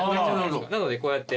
なのでこうやって。